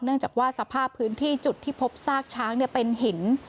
จากว่าสภาพพื้นที่จุดที่พบซากช้างเป็นหิน